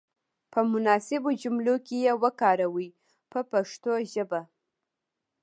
په مناسبو جملو کې یې وکاروئ په پښتو ژبه.